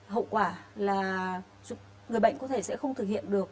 hậu quả là người bệnh có thể sẽ không thực hiện được